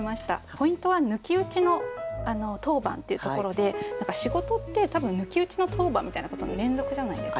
ポイントは「抜き打ちの当番」っていうところで仕事って多分抜き打ちの当番みたいなことの連続じゃないですか。